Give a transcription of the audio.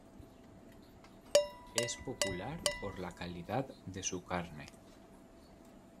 Es popular por la calidad de su carne.